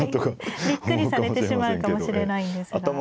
びっくりされてしまうかもしれないんですけど。